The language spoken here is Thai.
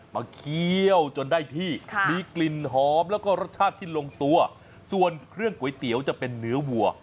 เคี่ยวจนได้ที่มีกลิ่นหอมแล้วก็รสชาติที่ลงตัวส่วนเครื่องก๋วยเตี๋ยวจะเป็นเนื้อวัว